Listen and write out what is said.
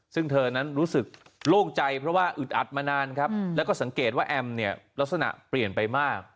ซึ่งเธอนั้นรู้สึกโล่งใจเพราะว่าอึดอัดมานานครับแล้วก็สังเกตว่าแอมเนี่ยลักษณะเปลี่ยนไปมาก